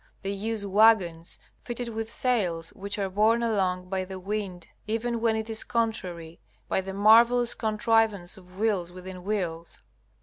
They use wagons fitted with sails which are borne along by the wind even when it is contrary, by the marvellous contrivance of wheels within wheels.